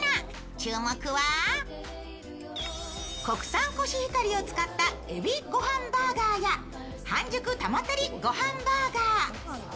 注目は国産こしひかりを使ったエビごはんバーガーや半熟タマてりごはんバーガー。